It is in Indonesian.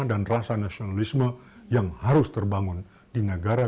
dan rasa nasionalisme yang harus terbangun di negara